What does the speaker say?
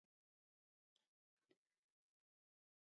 احمد په کورنۍ کې یوازینی لوستي و.